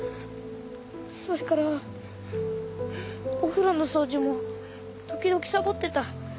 それからお風呂の掃除も時々さぼってた。